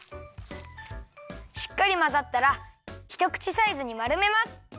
しっかりまざったらひとくちサイズにまるめます！